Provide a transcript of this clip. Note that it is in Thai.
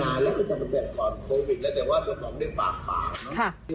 นานแล้วก็จะประกาศก่อนโควิดแล้วแต่ว่าตัวผมได้ปากปากเนอะ